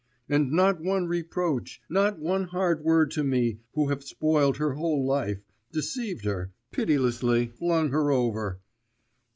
'And not one reproach, not one hard word to me, who have spoiled her whole life, deceived her, pitilessly flung her over....